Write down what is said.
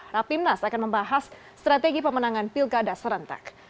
rapimnas akan membahas strategi pemenangan pilkada serentak